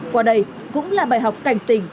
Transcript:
qua đây cũng là bài học cảnh tình